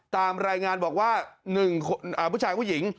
ตามรายงานบอกว่า๑ผู้ชายผู้หญิง